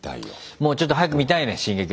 もうちょっと早く見たいね「進撃の巨人」。